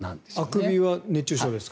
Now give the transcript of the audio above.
あくびは熱中症ですか？